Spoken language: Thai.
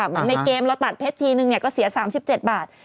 เหมือนในเกมเราตัดเพชรทีหนึ่งก็เสีย๓๗บาท